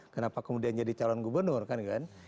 kenapa kemudian jadi calon gubernur kan